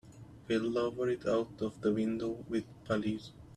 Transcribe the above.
We'll lower it out of the window with pulleys.